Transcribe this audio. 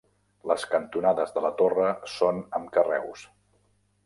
Les cantonades de la torre són amb carreus.